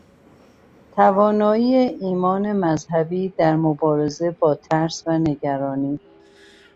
توانایی ایمان مذهبی در مبارزه با ترس و نگرانی